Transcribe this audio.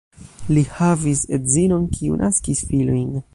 Li havis edzinon, kiu naskis filojn.